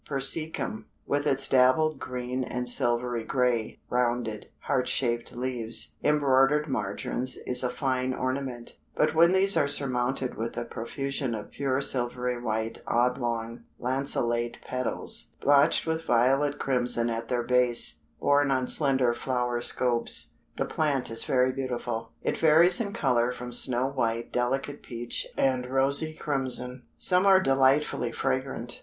Persicum, with its dappled green and silvery gray, rounded, heart shaped leaves, embroidered margins, is a fine ornament, but when these are surmounted with a profusion of pure silvery white oblong lanceolate petals, blotched with violet crimson at their base, borne on slender flower scopes, the plant is very beautiful. It varies in color from snow white delicate peach and rosy crimson. Some are delightfully fragrant.